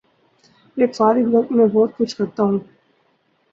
اپنے فارغ وقت میں بہت کچھ کرتا ہوں